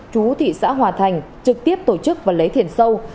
chú thị xã hòa thành trực tiếp tổ chức và lấy thiền sâu